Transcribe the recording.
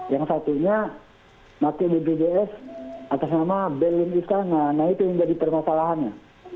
yang satunya mbak tiongjo d s atas nama berlin istana nah itu yang jadi permasalahannya